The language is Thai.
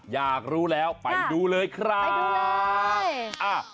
อยากรู้แล้วไปดูเลยครับ